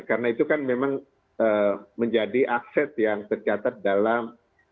karena itu kan memang menjadi akses yang tercatat dalam